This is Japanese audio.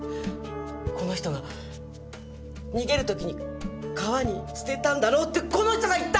この人が逃げる時に川に捨てたんだろってこの人が言った！